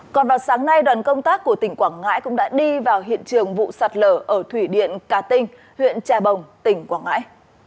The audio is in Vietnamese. còn vào sáng nay đoàn công tác của tỉnh quảng ngãi cũng đã đi vào hiện trường vụ sạt lở ở thủy điện cà tinh huyện trà bồng tỉnh quảng ngãi